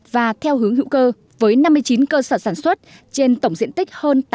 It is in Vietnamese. và theo hướng hữu cơ với năm mươi chín cơ sở sản xuất trên tổng diện tích hơn tám mươi